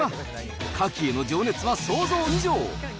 カキへの情熱は想像以上。